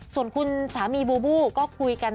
ส่วนคุณสามีบูบูก็คุยกัน